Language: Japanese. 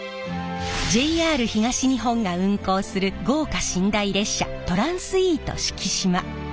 ＪＲ東日本が運行する豪華寝台列車トランスイート四季島。